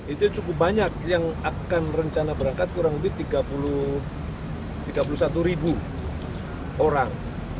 itu cukup banyak yang akan rencana berangkat kurang lebih tiga puluh satu ribu orang